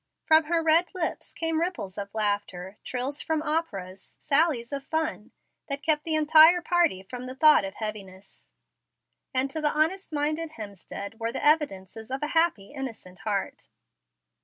From her red lips came ripples of laughter, trills from operas, sallies of fun, that kept the entire party from the thought of heaviness, and to honest minded Hemstead were the evidences of a happy, innocent heart.